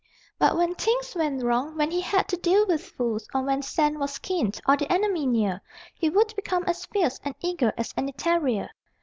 But when things went wrong, when he had to deal with fools, or when scent was keen, or the enemy near, he would become as fierce and eager as any terrier.